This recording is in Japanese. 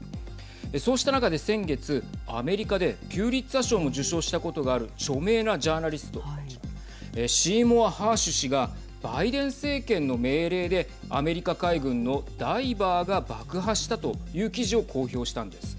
そうした中で先月アメリカでピューリッツァー賞も受賞したことがある著名なジャーナリストシーモア・ハーシュ氏がバイデン政権の命令でアメリカ海軍のダイバーが爆破したという記事を公表したんです。